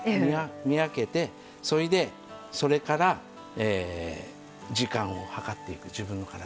見分けてそれでそれから時間を計っていく自分の体の中で。